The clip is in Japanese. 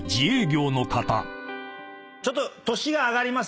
ちょっと年が上がります。